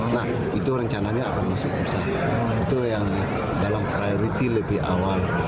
nah itu rencananya akan masuk ke pusat itu yang dalam priority lebih awal